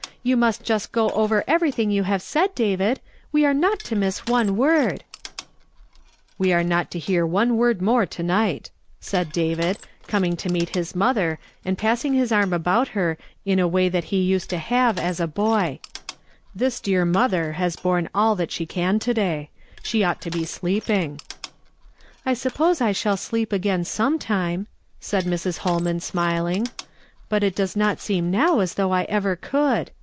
You must just go over everything you have said, pavid; we are not to miss one word." 52 YESTERDAY FRAMED IN TO DAY. " We are not to hear one word more to night," said David, coming to meet his mother, and pass ing his arm abont her in a way that he used to have as a boy. " This dear mother has borne all that she can to day ; she ought to be sleeping." " I suppose I shall sleep again sometime," said Mrs. llolman smiling, "but it does not seem now as though I ever could.